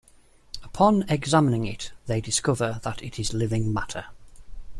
Upon examining it, they discover that it is living matter.